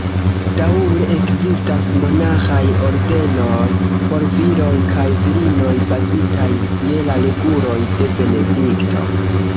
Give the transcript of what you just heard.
Daŭre ekzistas monaĥaj ordenoj, por viroj kaj virinoj, bazitaj je la reguloj de Benedikto.